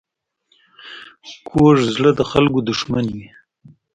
کوږ زړه د خلکو دښمن وي